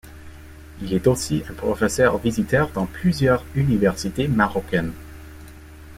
Il est aussi un professeur visiteur dans plusieurs universités marocaines.